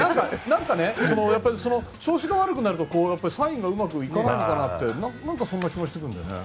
何かね、調子が悪くなるとサインがうまくいかないのかなって何かそんな気がしてくるんだよね。